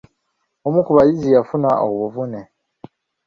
Omu ku bayizi yafuna obuvune.